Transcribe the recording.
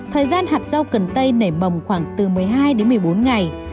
thời gian hạt rau cần tây nảy mầm khoảng từ một mươi hai đến một mươi bốn ngày